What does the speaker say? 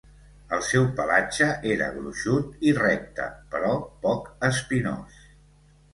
El seu pelatge era gruixut i recte, però poc espinós.